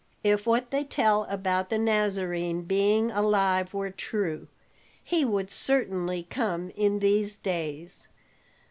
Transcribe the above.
If what they tell about the Nazarene being alive were true, he would certainly come in these days."